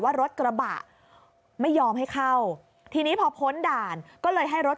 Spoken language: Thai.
ว่ารถกระบะไม่ยอมให้เข้าทีนี้พอพ้นด่านก็เลยให้รถ